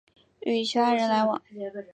与其他人来往